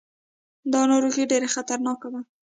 دا ناروغي ډېره خطرناکه وه.